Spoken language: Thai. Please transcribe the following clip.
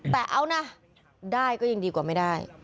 แต่เอานะได้ก็ยังดีกว่าไม่ได้